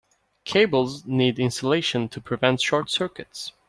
Cables need insulation to prevent short circuits.